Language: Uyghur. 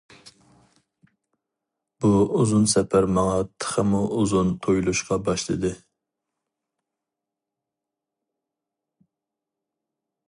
بۇ ئۇزۇن سەپەر ماڭا تېخىمۇ ئۇزۇن تۇيۇلۇشقا باشلىدى.